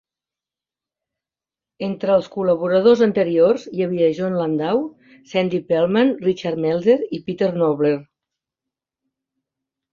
Entre els col·laboradors anteriors hi havia Jon Landau, Sandy Pearlman, Richard Meltzer i Peter Knobler.